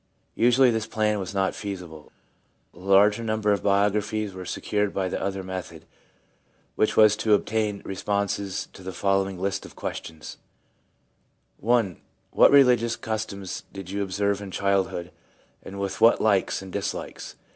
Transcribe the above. Usually this plan was not feasible. The larger number of bio graphies were secured by the other method, which was to obtain responses to the following list of questions: —* I. What religious customs did you observe in child hood, and with what likes and dislikes?